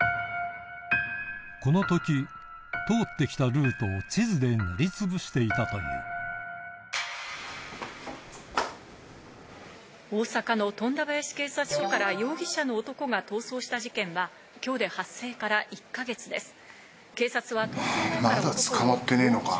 この時通って来たルートを地図で塗りつぶしていたという大阪の富田林警察署から容疑者の男が逃走した事件は今日で発生から１か月です。